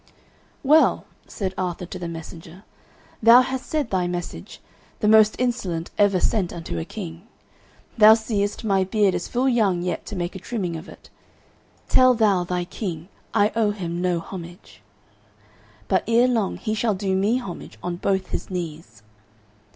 "Well," said Arthur to the messenger, "thou hast said thy message, the most insolent ever sent unto a king. Thou seest my beard is full young yet to make a trimming of it. Tell thou thy king I owe him no homage, but ere long he shall do me homage on both his knees."